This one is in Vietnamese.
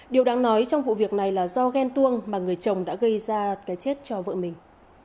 điều đáng nói trong vụ việc này là do ghen tuông mà người chồng đã gây ra cái chết cho vợ mình